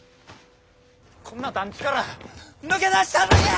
こんな団地から抜け出したるんや！